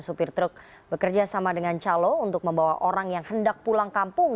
supir truk bekerja sama dengan calo untuk membawa orang yang hendak pulang kampung